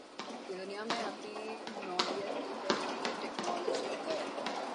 یہ دنیا میں اپنی نوعیت کی پہلی ٹکنالوجی ہے۔